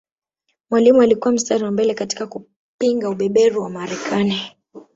Mwalimu alikuwa mstari wa mbele katika kupinga ubeberu wa Marekani